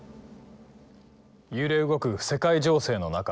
揺れ動く世界情勢の中戊辰戦争